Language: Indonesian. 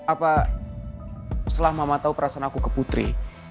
apa setelah mama tahu perasaan aku ke putri